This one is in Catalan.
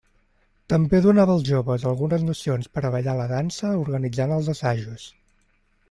També donava als joves algunes nocions per a ballar la dansa, organitzant els assajos.